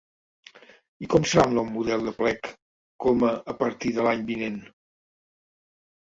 I com serà el nou model d’aplec coma a partir de l’any vinent?